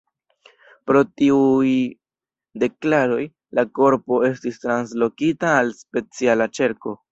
Pro tiuj deklaroj, la korpo estis translokita al speciala ĉerko.